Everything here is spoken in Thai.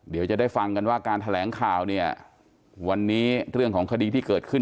เดี๋ยวจะได้ฟังกันว่าการแถลงข่าวเนี่ยวันนี้เรื่องของคดีที่เกิดขึ้น